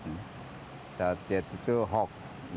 pesawat jet itu hawk lima puluh tiga